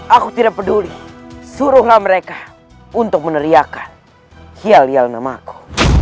aku tidak peduli suruhlah mereka untuk meneriakan hial hial namaku